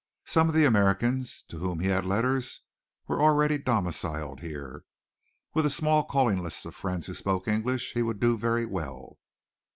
Some of the Americans to whom he had letters were already domiciled here. With a small calling list of friends who spoke English he would do very well.